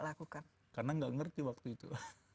lakukan karena nggak ngerti waktu itu